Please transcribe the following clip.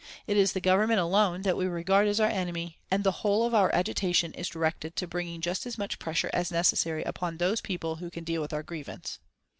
It is the Government alone that we regard as our enemy, and the whole of our agitation is directed to bringing just as much pressure as necessary upon those people who can deal with our grievance.)